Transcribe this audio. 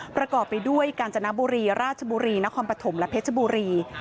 ประกอบไปด้วยกาญจนบุรีราชบุรีนครปฐมและเพชรบุรี